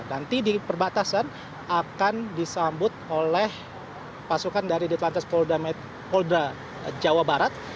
nanti di perbatasan akan disambut oleh pasukan dari ditelantas polda jawa barat